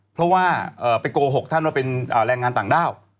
เพราะว่าไปโกหกท่านว่าเป็นแรงงานต่างด้าว